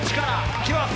いきます。